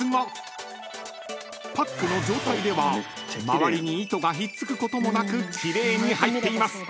［パックの状態では周りに糸がひっつくこともなく奇麗に入っています。